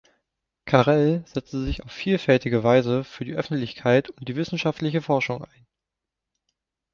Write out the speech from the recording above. Carrel setzte sich auf vielfältige Weise für die Öffentlichkeit und die wissenschaftliche Forschung ein.